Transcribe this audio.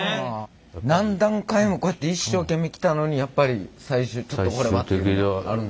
何段階もこうやって一生懸命来たのにやっぱり最終「ちょっとこれは」っていうのはあるんですか？